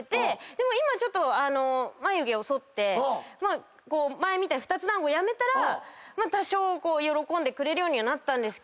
でも今眉毛をそって前みたいな２つ団子やめたら多少喜んでくれるようにはなったんですけど。